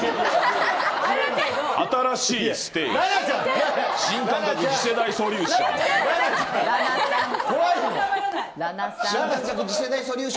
新しいステージ